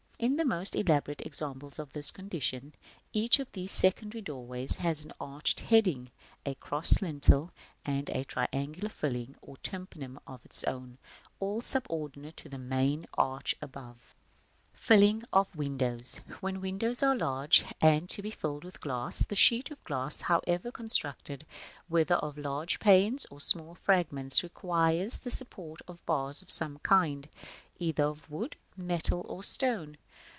In the most elaborate examples of this condition, each of these secondary doorways has an arch heading, a cross lintel, and a triangular filling or tympanum of its own, all subordinated to the main arch above. § IV. 2. Fillings of windows. When windows are large, and to be filled with glass, the sheet of glass, however constructed, whether of large panes or small fragments, requires the support of bars of some kind, either of wood, metal, or stone.